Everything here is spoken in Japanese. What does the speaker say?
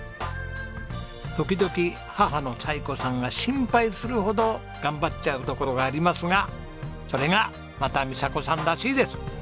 時々母の彩子さんが心配するほど頑張っちゃうところがありますがそれがまた美佐子さんらしいです。